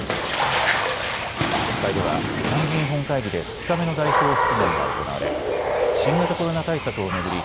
国会では参議院本会議で２日目の代表質問が行われ新型コロナ対策を巡り